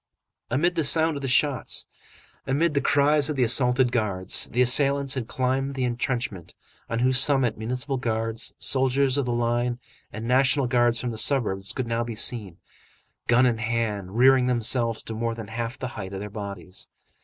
Amid the sound of the shots, amid the cries of the assaulted guards, the assailants had climbed the entrenchment, on whose summit Municipal Guards, soldiers of the line and National Guards from the suburbs could now be seen, gun in hand, rearing themselves to more than half the height of their bodies.